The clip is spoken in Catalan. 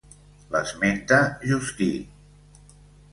L'esmenta Justí.